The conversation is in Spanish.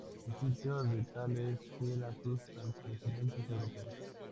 El estilo de Tal es fiel a sus antecedentes europeos.